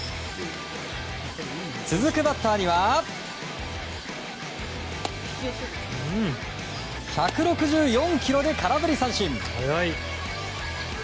続くバッターには１６４キロで空振り三振。